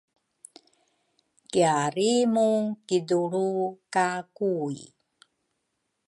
kiarimu kidulru ka Kui.